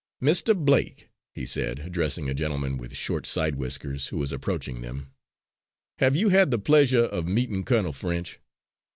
"Mr. Blake," he said, addressing a gentleman with short side whiskers who was approaching them, "have you had the pleasure of meeting Colonel French?"